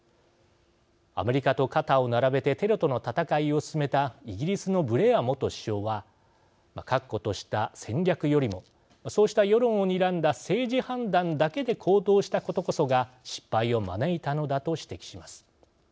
アメリカと肩を並べてテロとの戦いを進めたイギリスのブレア元首相は確固とした戦略よりもそうした世論をにらんだ政治判断だけで行動したことこそが失敗を招いたのだと指摘します。